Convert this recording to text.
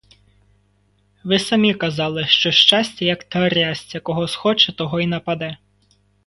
Ви самі казали, що щастя, як трясця: кого схоче, того й нападе.